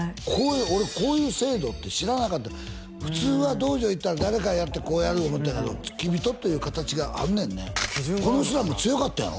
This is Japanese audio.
俺こういう制度って知らなかった普通は道場行ったら誰かやってこうやる思ってたけど付き人っていう形があんねんねこの人らも強かったんやろ？